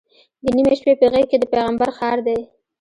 د نیمې شپې په غېږ کې د پیغمبر ښار دی.